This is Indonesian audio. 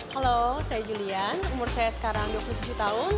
halo saya julian umur saya sekarang dua puluh tujuh tahun